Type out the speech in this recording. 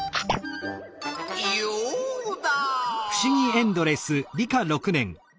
ヨウダ！